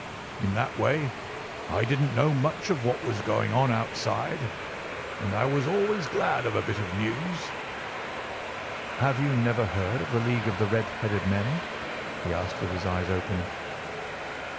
In that way I didn't know much of what was going on outside, and I was always glad of a bit of news. "'Have you never heard of the League of the Red headed Men?' he asked with his eyes open.